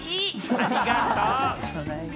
ありがとうね。